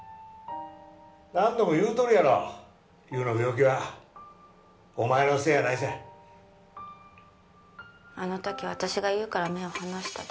何度も言うとるやろ優の病気はお前のせいやないさあの時私が優から目を離したで